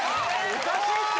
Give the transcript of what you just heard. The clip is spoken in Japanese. おかしいって！